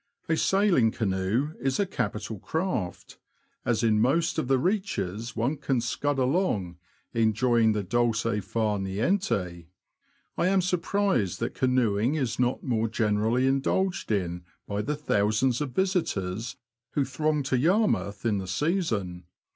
A sail ing canoe is a capital craft, as in most of the reaches one can scud along, enjoying the dolce far niente. I am surprised that canoeing is not more generally indulged in by the thouoands of visitors who throng to Yarmouth in the season.